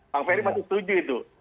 bang ferry masih setuju itu